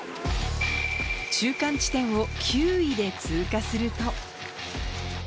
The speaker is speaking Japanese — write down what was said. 中間地点を９位で通過すると。